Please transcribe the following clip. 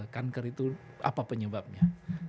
kanker itu apa penyebabnya